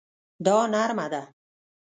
دا نرمه ده